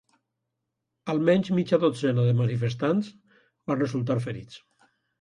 Almenys mitja dotzena de manifestants van resultar ferits